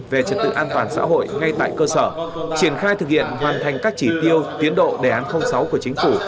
về trật tự an toàn xã hội ngay tại cơ sở triển khai thực hiện hoàn thành các chỉ tiêu tiến độ đề án sáu của chính phủ